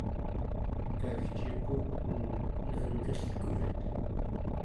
kaigciquten nerenrilkuvet